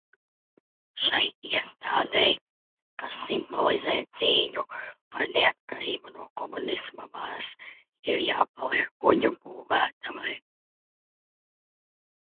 Šai iestādei, kas simbolizē cīņu par neatkarību no komunisma varas, ir jāpaliek kuģu būvētavai.